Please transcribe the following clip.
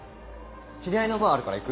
知り合いのバーあるから行く？